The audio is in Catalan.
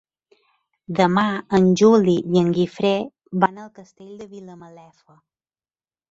Demà en Juli i en Guifré van al Castell de Vilamalefa.